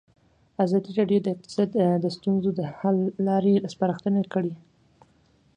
ازادي راډیو د اقتصاد د ستونزو حل لارې سپارښتنې کړي.